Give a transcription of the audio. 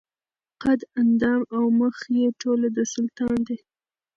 قد اندام او مخ یې ټوله د سلطان دي